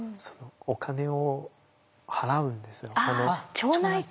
町内会。